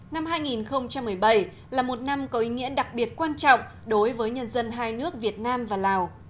năm hai nghìn một mươi bảy là một năm có ý nghĩa đặc biệt quan trọng đối với nhân dân hai nước việt nam và lào